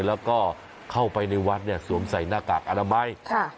แล้วก็เข้าไปในวัดสวมใส่หน้ากากอาณาบัย